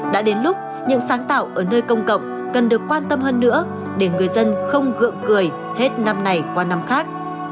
đã đến lúc những sáng tạo ở nơi công cộng cần được quan tâm hơn nữa để người dân không gợm cười hết năm này qua năm khác